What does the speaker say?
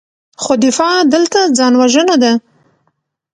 خو دفاع دلته ځان وژنه ده.